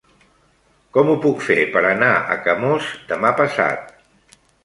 Com ho puc fer per anar a Camós demà passat?